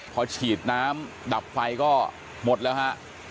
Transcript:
พอฉีดน้ำดับไฟก็หมดแล้วฮะ